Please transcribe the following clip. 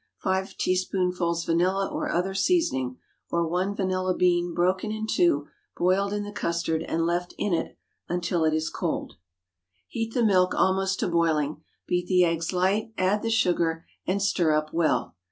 5 teaspoonfuls vanilla or other seasoning, or 1 vanilla bean, broken in two, boiled in the custard, and left in until it is cold. Heat the milk almost to boiling, beat the eggs light, add the sugar, and stir up well.